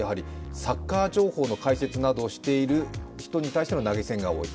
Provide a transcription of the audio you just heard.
サッカー情報の解説などをしている人に対しての投げ銭が多い。